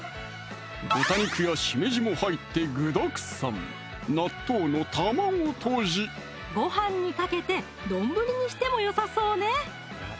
豚肉やしめじも入って具だくさんごはんにかけて丼にしてもよさそうね！